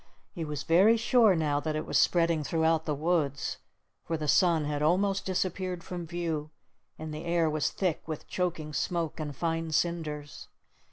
He was very sure now that it was spreading throughout the woods, for the sun had almost disappeared from view, and the air was thick with choking smoke and fine cinders.